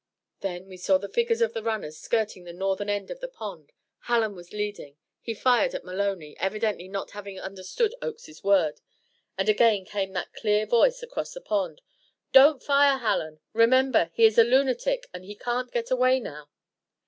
Then we saw the figures of the runners skirting the northern end of the pond. Hallen was leading. He fired at Maloney, evidently not having understood Oakes's word, and again came that clear voice across the pond. "Don't fire, Hallen; remember, he is a lunatic and he can't get away now."